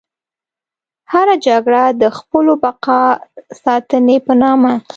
هره جګړه د خپلو بقا ساتنې په نامه.